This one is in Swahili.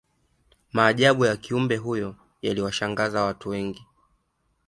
maajabu ya kiumbe huyo yaliwashangaza watu wengi